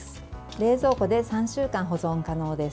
冷蔵庫で３週間、保存可能です。